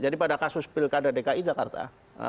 jadi pada kasus pilkada dki jakarta